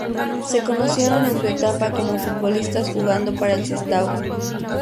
Se conocieron en su etapa como futbolistas jugando para el Sestao.